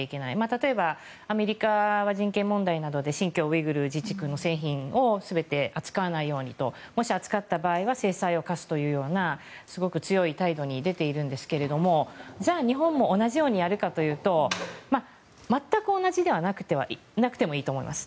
例えばアメリカは人権問題などで新疆ウイグル自治区の製品を全て扱わないようにともし、扱った場合は制裁を科すというようなすごく強い態度に出ているんですけれどもじゃあ、日本も同じようにやるかというと全く同じでなくてもいいと思います。